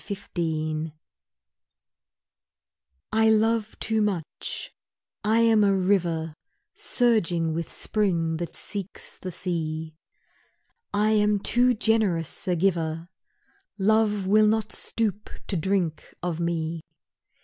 DESERT POOLS I LOVE too much; I am a river Surging with spring that seeks the sea, I am too generous a giver, Love will not stoop to drink of me.